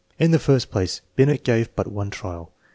In the first place, Binet gave but one trial.